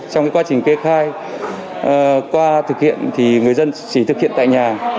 trong quá trình kê khai qua thực hiện thì người dân chỉ thực hiện tại nhà